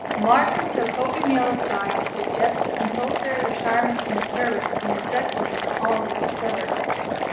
Martyn took Hogan Yale aside and suggested compulsory retirement from the service as a necessity when all was discovered.